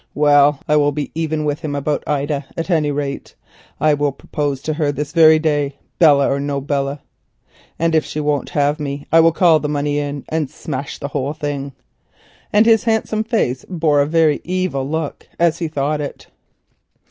Well, I will be even with him about Ida, at any rate. I will propose to her this very day, Belle or no Belle, and if she won't have me I will call the money in and smash the whole thing up"—and his handsome face bore a very evil look, as he thought of it.